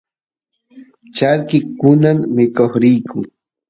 charki kunan mikoq riyku